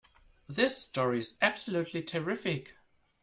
This story is absolutely terrific!